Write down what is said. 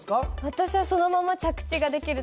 私はそのまま着地ができると思います。